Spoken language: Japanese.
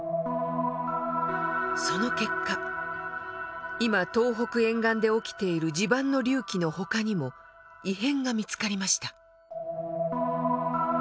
その結果今東北沿岸で起きている地盤の隆起のほかにも異変が見つかりました。